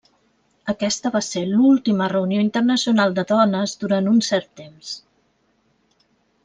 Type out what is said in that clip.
Aquesta va ser l'última reunió internacional de dones durant un cert temps.